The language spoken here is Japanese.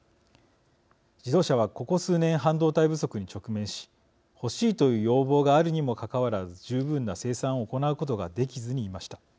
自動車はここ数年、半導体不足に直面し欲しいという要望があるにもかかわらず十分な生産を行うことができずにいました。